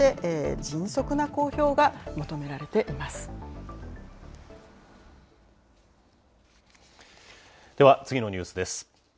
では、次のニュースです。